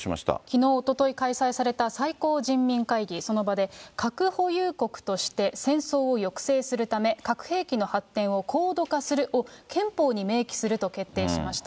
きのう、おととい開催された最高人民会議、その場で、核保有国として戦争を抑制するため、核兵器の発展を高度化するを憲法に明記すると決定しました。